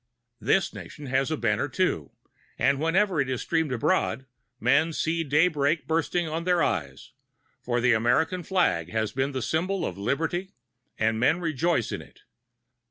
This nation has a banner, too; and wherever it streamed abroad, men saw daybreak bursting on their eyes, for the American flag has been the symbol of liberty, and men rejoiced in it.